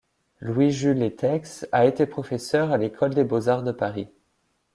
Louis-Jules Étex a été professeur à l'École des beaux-arts de Paris.